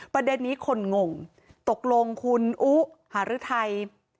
ประเด็นนี้คนงงตกลงคุณอุหารือไทย